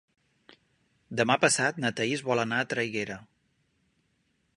Demà passat na Thaís vol anar a Traiguera.